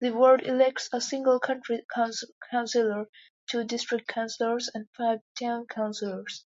The ward elects a single county councillor, two district councillors and five town councillors.